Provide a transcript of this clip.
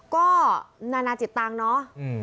ก็นานาจิตตังค์เนาะ